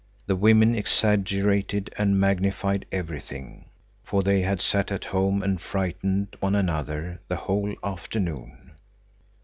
The women exaggerated and magnified everything, for they had sat at home and frightened one another the whole afternoon.